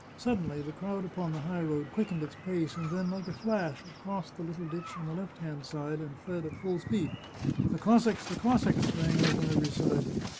Suddenly the crowd upon the high road quickened its pace, and then, like a flash, it crossed the little ditch on the left hand side and fled at full speed. " The Cossacks, the Cossacks !" rang out on every side.